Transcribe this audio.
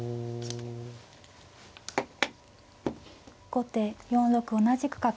後手４六同じく角。